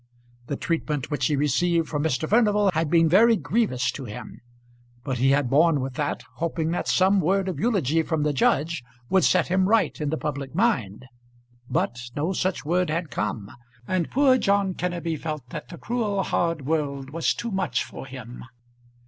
The treatment which he received from Mr. Furnival had been very grievous to him, but he had borne with that, hoping that some word of eulogy from the judge would set him right in the public mind. But no such word had come, and poor John Kenneby felt that the cruel hard world was too much for him.